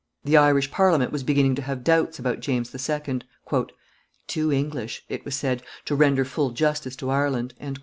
The Irish Parliament was beginning to have doubts about James II. "Too English," it was said, "to render full justice to Ireland."